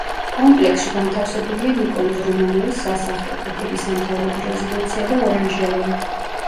კომპლექსში განთავსებულია ნიკოლოზ რომანოვის სასახლე, ყოფილი სამთავრობო რეზიდენცია და ორანჟერეა.